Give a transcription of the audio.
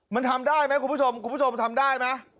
มันทำได้มั้ยคุณผู้ชมทำได้มั้ย